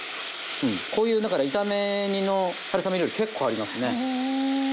うんこういうだから炒め煮の春雨料理結構ありますね。